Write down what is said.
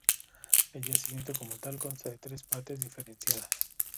El yacimiento como tal consta de tres partes diferenciadas.